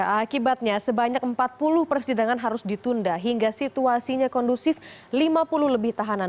akibatnya sebanyak empat puluh persidangan harus ditunda hingga situasinya kondusif lima puluh lebih tahanan